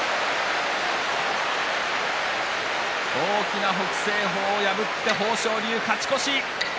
大きな北青鵬を破って豊昇龍勝ち越し。